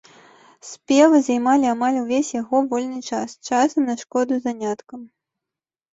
Спевы займалі амаль увесь яго вольны час, часам на шкоду заняткам.